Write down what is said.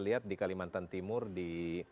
lihat di kalimantan timur di